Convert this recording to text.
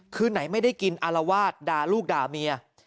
คือไหนไม่ได้กินอลวาทดาลูกดามียะ